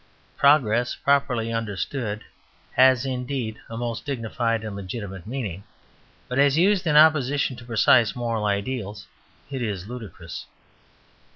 Progress, properly understood, has, indeed, a most dignified and legitimate meaning. But as used in opposition to precise moral ideals, it is ludicrous.